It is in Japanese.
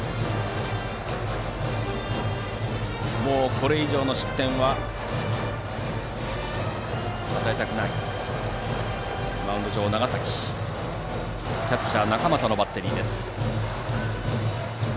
これ以上の失点は与えたくないマウンド上の長崎キャッチャーは中俣のバッテリー。